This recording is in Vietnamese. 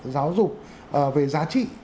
giáo dục về giá trị